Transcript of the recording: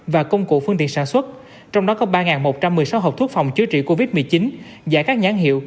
và công cụ phương tiện sản xuất trong đó có ba một trăm một mươi sáu hộp thuốc phòng chứa trị covid một mươi chín giả các nhán hiệu